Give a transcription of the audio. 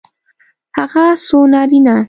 هغه څو نارینه